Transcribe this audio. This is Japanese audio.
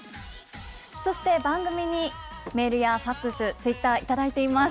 そして、番組にメールやファックス、ツイッター、頂いています。